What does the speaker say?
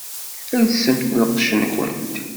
Elsemt lqecc-nkent!